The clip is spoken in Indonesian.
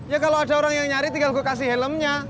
ya kalau ada orang yang nyari tinggal gue kasih helmnya